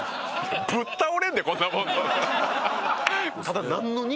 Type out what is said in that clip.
ぶっ倒れるでこんなもん。ははっ。